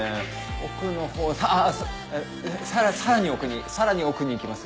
奥のほうあっさらに奥にさらに奥に行きます。